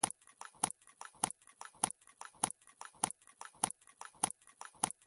سنگ مرمر د افغانستان په اوږده تاریخ کې ذکر شوی دی.